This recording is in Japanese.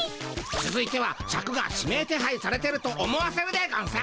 つづいてはシャクが指名手配されてると思わせるでゴンス。